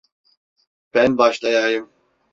Ben başlayayım.